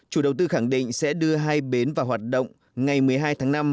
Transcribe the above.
chủ đầu tư khẳng định sẽ đưa hai bến vào hoạt động ngày một mươi hai tháng năm